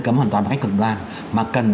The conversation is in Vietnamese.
cấm hoàn toàn bằng cách cực đoan mà cần